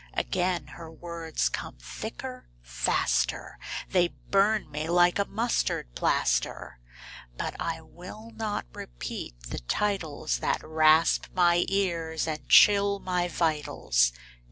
Again her words come thicker, faster, They burn me like a mustard plaster. But I will not repeat the titles That rasp my ears and chill my vitals.